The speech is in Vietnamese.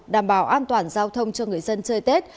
đảm bảo an toàn giao thông cho người dân chơi tết